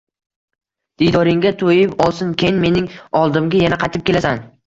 Diydoringga toʻyib olsin, keyin mening oldimga yana qaytib kelasan.